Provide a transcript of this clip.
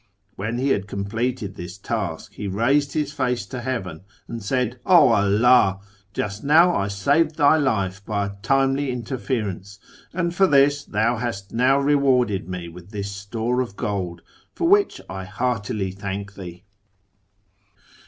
When he had completed this task, he raised his face to heaven and said, ' 0 Allah ! Just now I saved Thy life by a timely interference. 1 82 A YEAR AMONGST THE PERSIANS ami for this Thou hast now rewarded me with this store of gold, for wliic'li 1 Ik'artily thank Thee.'"